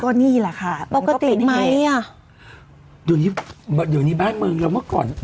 ก็นี่แหละค่ะปกติไหมอ่ะอยู่นี้อยู่ในบ้านเมืองแล้วเมื่อก่อน